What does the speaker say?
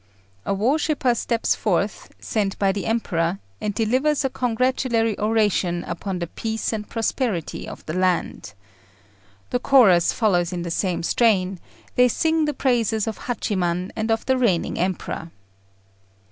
A worshipper steps forth, sent by the Emperor, and delivers a congratulatory oration upon the peace and prosperity of the land. The chorus follows in the same strain: they sing the praises of Hachiman and of the reigning Emperor.